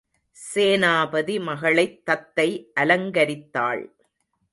சேனாபதி மகளைத் தத்தை அலங்கரித்தாள்.